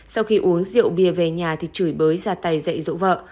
sau khi uống rượu bia về nhà thì chửi bới ra tay dậy dỗ vợ